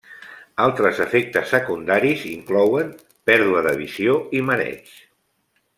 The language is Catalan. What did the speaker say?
Altres efectes secundaris inclouen pèrdua de visió i mareig.